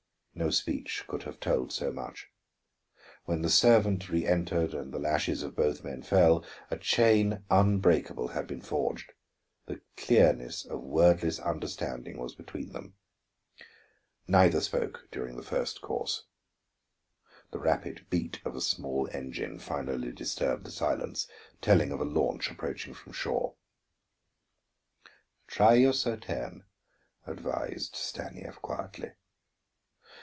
No speech could have told so much. When the servant reëntered and the lashes of both men fell, a chain unbreakable had been forged, the clearness of wordless understanding was between them. Neither spoke during the first course. The rapid beat of a small engine finally disturbed the silence, telling of a launch approaching from shore. "Try your Sauterne," advised Stanief quietly.